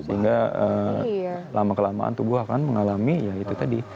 sehingga lama kelamaan tubuh akan mengalami ya itu tadi